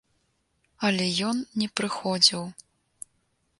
Але ён не прыходзіў.